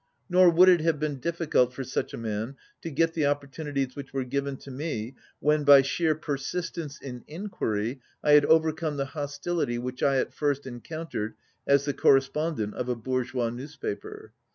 Nor would it have been difficult for such a man to get the opportunities which were given to me when, by sheer persistence in enquiry, I had over come the hostility which I at first encountered as the correspondent of a "bourgeois" newspaper.